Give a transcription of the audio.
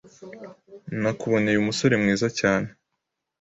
Nakuboneye umusore mwiza cyane.